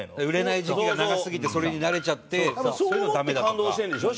売れない時期が長すぎてそれに慣れちゃってそういうのダメだとか。